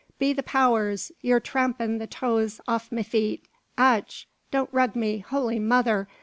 Be the powers, ye're trampin' the toes aff me feet! Ach! don't rug me! Holy Mother!